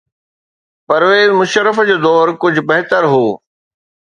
پرويز مشرف جو دور ڪجهه بهتر هو.